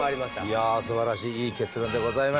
いやすばらしいいい結論でございました。